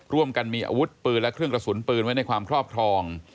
ร่วมกันมีอาวุธปืนและเครื่องกระสุนปืนไว้ในความครอบครอง